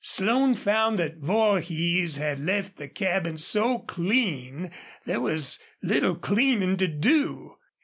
Slone found that Vorhees had left the cabin so clean there was little cleaning to do.